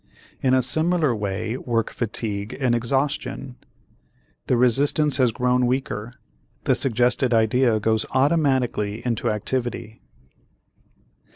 In a similar way work fatigue and exhaustion. The resistance has grown weaker, the suggested idea goes automatically into activity.